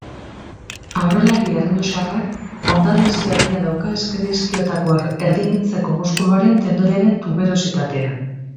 Aurrelari errioxarrak hondar-lesio arina dauka ezker iskioetako erdimintzezko muskuluaren tendoiaren tuberositatean.